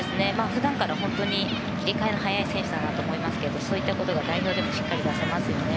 普段から切り替えの早い選手だなと思いますがそういったことが代表でもしっかり出せていますよね。